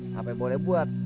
sampai boleh buat